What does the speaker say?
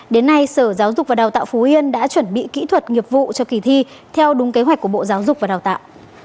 đến nay sở giáo dục và đào tạo phú yên đã chuẩn bị kỹ thuật nghiệp vụ cho kỳ thi theo đúng kế hoạch của bộ giáo dục và đào tạo